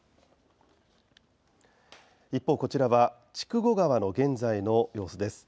一方、こちらは筑後川の現在の様子です。